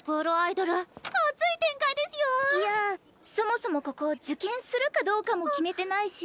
いやそもそもここ受験するかどうかも決めてないし。